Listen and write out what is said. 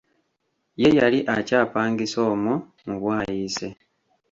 Ye yali akyapangisa omwo mu bwayise.